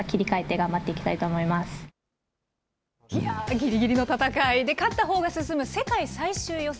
ぎりぎりの戦い、勝ったほうが進む世界最終予選。